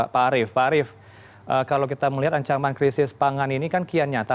pak arief pak arief kalau kita melihat ancaman krisis pangan ini kan kian nyata